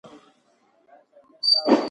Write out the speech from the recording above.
د فزیک راتلونکی د ستورو په څېر روښانه دی.